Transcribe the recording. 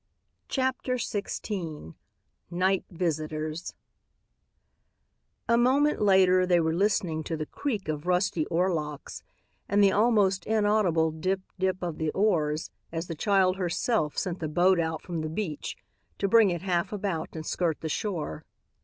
CHAPTER XVI NIGHT VISITORS A moment later they were listening to the creak of rusty oarlocks and the almost inaudible dip dip of the oars as the child herself sent the boat out from the beach to bring it half about and skirt the shore.